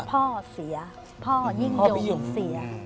พ่อเสียพ่อยิ่งเดิมหรือเสีย